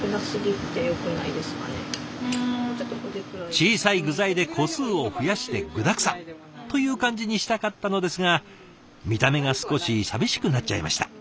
小さい具材で個数を増やして具だくさん！という感じにしたかったのですが見た目が少し寂しくなっちゃいました。